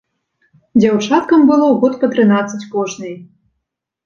Дзяўчаткам было год па трынаццаць кожнай.